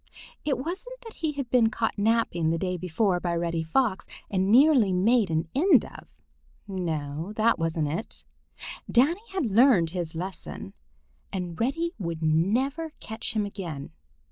It wasn't that he had been caught napping the day before by Reddy Fox and nearly made an end of. No, it wasn't that. Danny had learned his lesson, and Reddy would never catch him again.